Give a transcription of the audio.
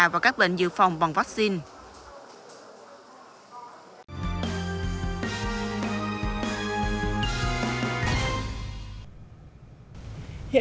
và các bệnh dự phòng bằng vaccine